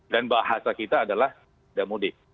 dan bahasa kita adalah damudik